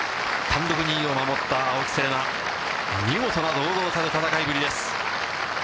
単独２位を守った青木瀬令奈、見事な堂々たる戦いぶりです。